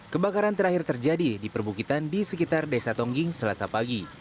kebakaran terakhir terjadi di perbukitan di sekitar desa tongging selasa pagi